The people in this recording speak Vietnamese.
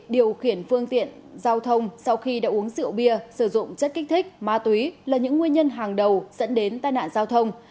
điều khiển phương tiện giao thông sau khi đã uống rượu bia sử dụng chất kích thích ma túy là những nguyên nhân hàng đầu dẫn đến tai nạn giao thông